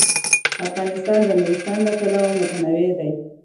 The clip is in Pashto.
افغانستان د نورستان له پلوه متنوع دی.